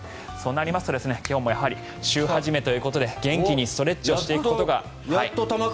そうなりますと今日も週初めということで元気にストレッチしていくことが。